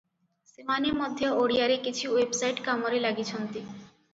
ସେମାନେ ମଧ୍ୟ ଓଡ଼ିଆରେ କିଛି ୱେବସାଇଟ କାମରେ ଲାଗିଛନ୍ତି ।